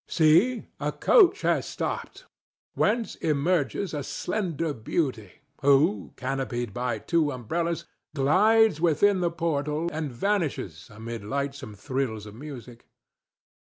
See! a coach has stopped, whence emerges a slender beauty who, canopied by two umbrellas, glides within the portal and vanishes amid lightsome thrills of music.